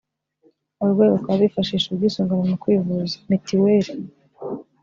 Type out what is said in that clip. abarwayi bakaba bifashisha ubwisungane mu kwivuza Mitiweli